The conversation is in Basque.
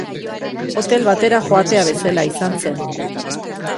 Hotel batera joatea bezala izan zen.